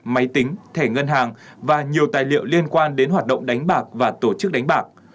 máy tính thẻ ngân hàng và nhiều tài liệu liên quan đến hoạt động đánh bạc và tổ chức đánh bạc